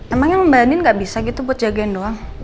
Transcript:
emangnya mbak anin gak bisa gitu buat jagain doang